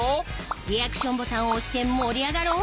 リアクションボタンを押して盛り上がろう！